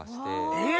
えっ！